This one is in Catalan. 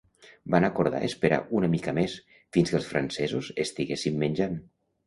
Van acordar esperar una mica més, fins que els francesos estiguessin menjant.